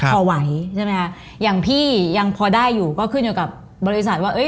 พอไหวใช่ไหมคะอย่างพี่ยังพอได้อยู่ก็ขึ้นอยู่กับบริษัทว่า